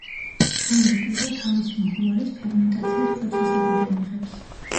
ცხელი პიტო თავის სიმხურვალეს ფერმენტაციის პროცესებიდან იღებს.